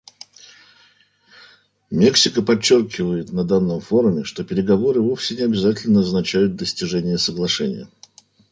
Мексика подчеркивает на данном форуме, что переговоры вовсе не обязательно означают достижение соглашения.